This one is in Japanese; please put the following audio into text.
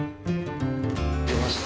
出ました。